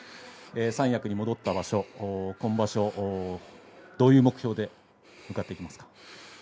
三役に戻った場所、今場所どういう目標で向かっていきますか？